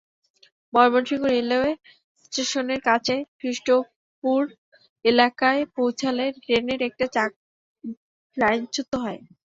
Mymensingh railway স্টেশনের কাছে কৃষ্টপুর এলাকায় পৌঁছালে ট্রেনের একটি চাকা লাইনচ্যুত হয়।